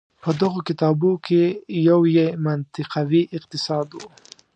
په دغو کتابونو کې یو یې منطقوي اقتصاد و.